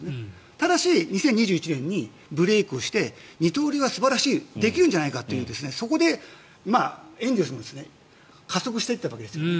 ただし２０２１年にブレークして二刀流は素晴らしいできるんじゃないかとそこでエンゼルスも加速していったわけですね。